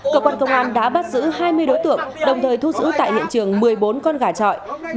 cơ quan công an đã bắt giữ hai mươi đối tượng đồng thời thu giữ tại hiện trường một mươi bốn con gà trọi